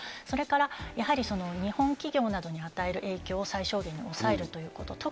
それから、やはり日本企業などに与える影響を最小限に抑えるということ。